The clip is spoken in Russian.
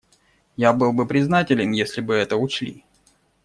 Я был бы признателен, если бы это учли.